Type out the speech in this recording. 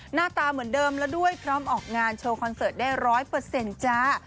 หน้าตาเหมือนเดิมและด้วยพร้อมออกงานโชว์คอนเสิร์ตได้ร้อยเปอร์เซ็นต์จ้า